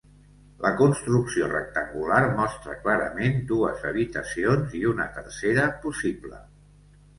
La construcció rectangular mostra clarament dues habitacions i una tercera possible.